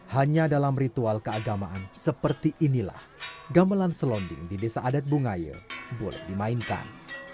hanya dalam ritual keagamaan seperti inilah gamelan selonding di desa adat bungaya boleh dimainkan